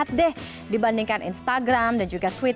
terima kasih hafid